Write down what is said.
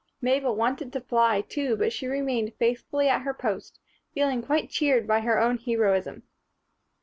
Mabel wanted to fly, too, but she remained faithfully at her post, feeling quite cheered by her own heroism.